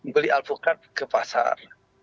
beli alpukat ke pasar